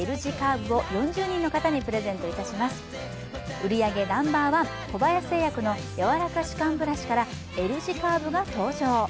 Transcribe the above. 売り上げＮｏ．１小林製薬のやわらか歯間ブラシからＬ字カーブが登場！